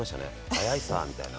早いさみたいな。